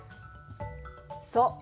そう。